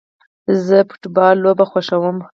زه فټبال لوبه خوښوم